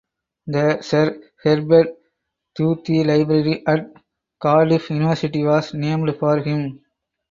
The Sir Herbert Duthie Library at Cardiff University was named for him.